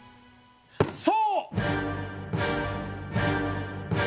そう！